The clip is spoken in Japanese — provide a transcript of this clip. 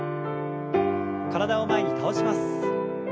体を前に倒します。